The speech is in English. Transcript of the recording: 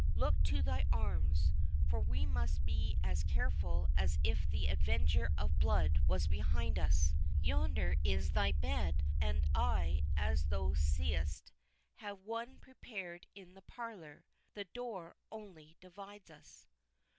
Look to thy arms, for we must be as careful as if the Avenger of Blood were behind us. Yonder is thy bed—and I, as thou seest, have one prepared in the parlour. The door only divides us."